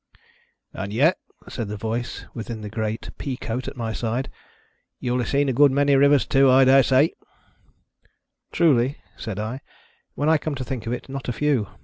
" And yet," said the voice within the great pea coat at my side, " you'll have seen a good many rivers too, I dare say ]"" Truly," said I, " when I come to think of it, not a few.